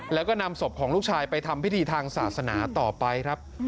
แล้วก็นำศพของลูกชายไปทำพิธีทางศาสนาต่อไปครับ